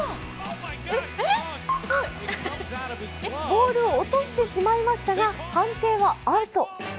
ボールを落としてしまいましたが、判定はアウト。